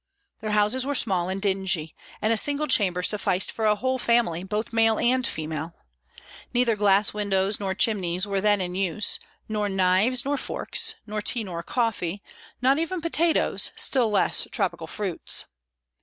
Their houses were small and dingy, and a single chamber sufficed for a whole family, both male and female. Neither glass windows nor chimneys were then in use, nor knives nor forks, nor tea nor coffee; not even potatoes, still less tropical fruits.